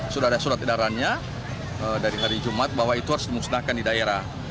sudah ada surat edarannya dari hari jumat bahwa itu harus dimusnahkan di daerah